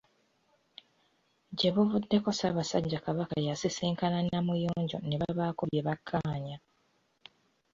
Gye buvuddeko Ssaabasajja Kabaka yasisinkana Namuyonjo ne babaako bye bakkaanya.